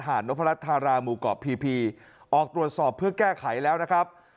นพรัชธาราหมู่เกาะพีพีออกตรวจสอบเพื่อแก้ไขแล้วนะครับ